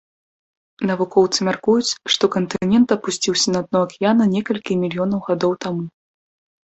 Навукоўцы мяркуюць, што кантынент апусціўся на дно акіяна некалькі мільёнаў гадоў таму.